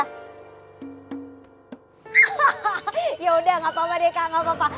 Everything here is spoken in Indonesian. hahaha yaudah gapapa deh kak gapapa